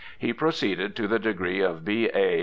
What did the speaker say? He proceeded to the degree of B. A.